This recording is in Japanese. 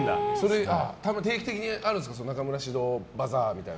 定期的にあるんですか中村獅童バザーみたいな。